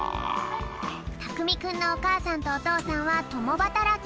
たくみくんのおかあさんとおとうさんはともばたらき。